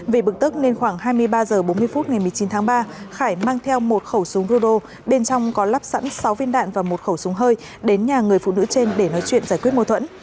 vì bực tức nên khoảng hai mươi ba h bốn mươi phút ngày một mươi chín tháng ba khải mang theo một khẩu súng rudo bên trong có lắp sẵn sáu viên đạn và một khẩu súng hơi đến nhà người phụ nữ trên để nói chuyện giải quyết mâu thuẫn